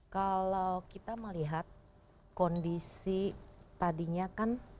kalau kita melihat kondisi tadinya kan